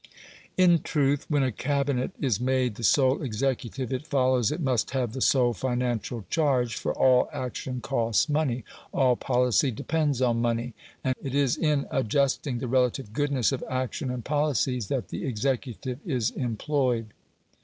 In truth, when a Cabinet is made the sole executive, it follows it must have the sole financial charge, for all action costs money, all policy depends on money, and it is in adjusting the relative goodness of action and policies that the executive is employed.